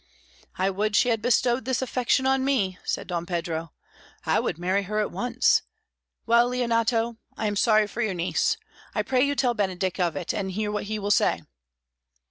"I would she had bestowed this affection on me," said Don Pedro. "I would marry her at once. Well, Leonato, I am sorry for your niece. I pray you tell Benedick of it, and hear what he will say."